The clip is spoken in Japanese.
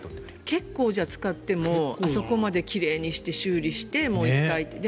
結構使ってもあそこまで奇麗にして修理して、もう１回って。